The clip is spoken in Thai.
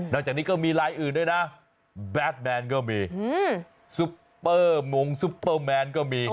จากนี้ก็มีลายอื่นด้วยนะแบดแมนก็มีซุปเปอร์มงซุปเปอร์แมนก็มี